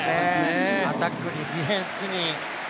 アタックにディフェンスに。